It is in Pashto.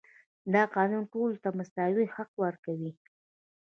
دا قانون ټولو ته مساوي حق ورکوي.